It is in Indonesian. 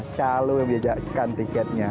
lalu yang diajarkan tiketnya